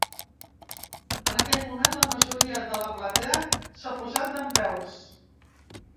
En aquell moment, la majoria de la platea s’ha posat dempeus.